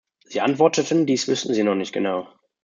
Sie antworteten, dies wüssten Sie noch nicht genau.